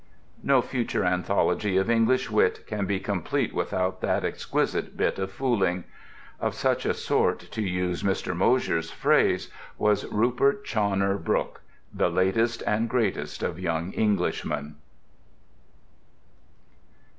No future anthology of English wit can be complete without that exquisite bit of fooling. Of such a sort, to use Mr. Mosher's phrase, was Rupert Chawner Brooke, "the latest and greatest of young Englishmen."